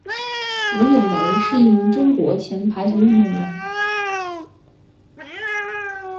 吴咏梅是一名中国前排球运动员。